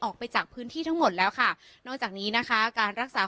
ออกไปจากพื้นที่ทั้งหมดแล้วค่ะนอกจากนี้นะคะการรักษา